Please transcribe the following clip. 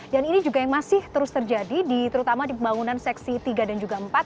dan ini juga yang masih terus terjadi di terutama di pembangunan seksi tiga dan juga empat